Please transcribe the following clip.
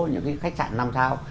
những cái khách sạn năm sao